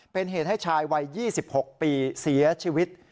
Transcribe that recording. เป็นเหตุให้ชายวัย๒๖ปีเสียชีวิต